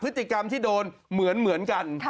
ภาษาแรกที่สุดท้าย